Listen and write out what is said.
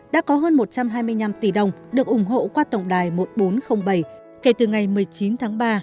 đã có hơn một trăm hai mươi năm tỷ đồng được ủng hộ qua tổng đài một nghìn bốn trăm linh bảy kể từ ngày một mươi chín tháng ba